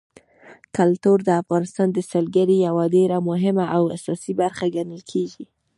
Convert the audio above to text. کلتور د افغانستان د سیلګرۍ یوه ډېره مهمه او اساسي برخه ګڼل کېږي.